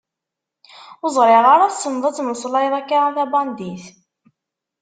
Ur ẓriɣ ara tesneḍ ad temmeslayeḍ akka a tabandit.